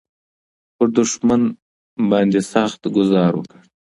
پر دښمن باندې سخت ګوزار وکړه.